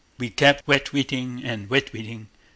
We kept wetweating and wetweating.